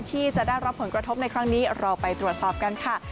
ที่จะได้รับผลกระทบในครั้งนี้เราไปตรวจสอบกันค่ะ